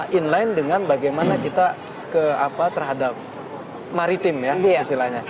ini juga inline dengan bagaimana kita terhadap maritim ya